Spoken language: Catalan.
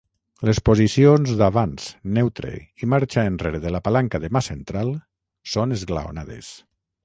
Les posicions d'avanç, neutre i marxa enrere de la palanca de mà central són esglaonades.